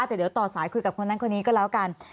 แต่เดี๋ยวต่อสายคุยกับคนนั้นคนนี้ก็แล้วกัน